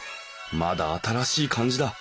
まだ新しい感じだ。